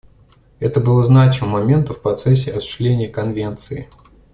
Это было значимым моментом в процессе осуществления Конвенции.